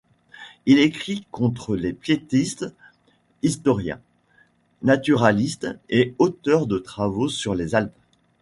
Il écrit contre les piétistes, historien, naturaliste et auteur de travaux sur les Alpes.